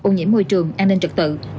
ô nhiễm môi trường an ninh trật tự